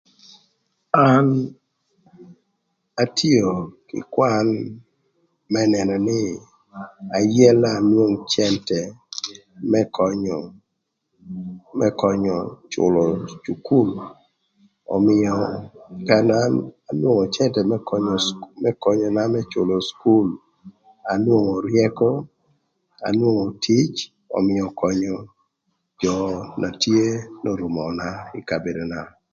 An atio kï kwan më nënö nï ayëla anwong cëntë më könyö më könyö cülö cukul ömïö karë na an anwongo cëntë më cülö cukul më könyöna më cülö cukul anwongo ryëkö, anwongo tic ömïö ökönyö jö na tye n'orumona ï kabedona.